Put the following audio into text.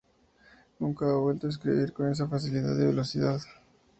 Nunca he vuelto a escribir con esa facilidad y velocidad.